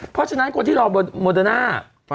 เพราะฉะนั้นคนที่รอโมเดอร์น่า